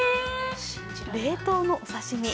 冷凍のお刺身。